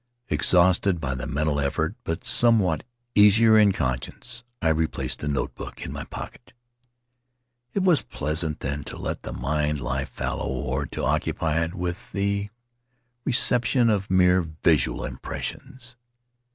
Exhausted by the mental effort, but somewhat easier in conscience, I replaced the notebook in my pocket. It was pleasant then to let the mind lie fallow or to occupy it with the reception of mere visual impressions.